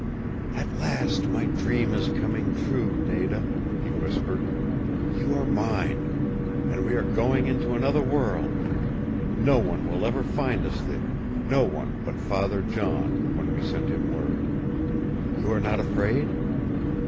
"At last my dream is coming true, Nada," he whispered. "You are mine. And we are going into another world. And no one will ever find us there no one but Father John, when we send him word. You are not afraid?"